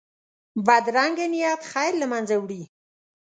بدرنګه نیت خیر له منځه وړي